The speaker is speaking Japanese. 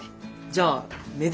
じゃあめ